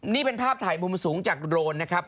นี่เป็นภาพถ่ายมุมสูงจากโรนนะครับ